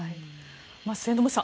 末延さん